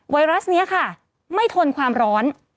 ไวรัสนี้ค่ะไม่ทนความร้อน